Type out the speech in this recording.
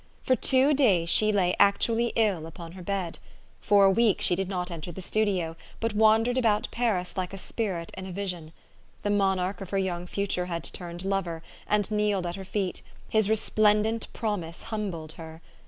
For two days she lay actually ill upon her bed. For a week she did not enter the studio, but wandered about Paris like a spirit in a vision. The monarch of her young future had turned lover, and kneeled at her feet. His resplendent promise humbled her.